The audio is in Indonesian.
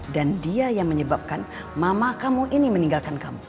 dan dia yang menyebabkan mama kamu ini meninggalkan kamu